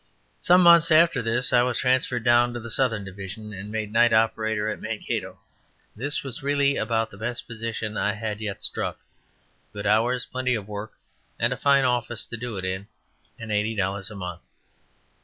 Some months after this I was transferred down to the southern division, and made night operator at Mankato. This was really about the best position I had yet struck: good hours, plenty of work and a fine office to do it in, and eighty dollars a month.